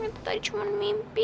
itu tadi cuma mimpi